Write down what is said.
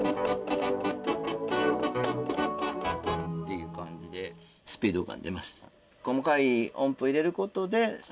いう感じでスピード感出ます。